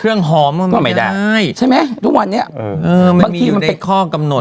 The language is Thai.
เครื่องหอมก็ไม่ได้ใช่ไหมทุกวันนี้เออมันมีอยู่ในข้อกำหนด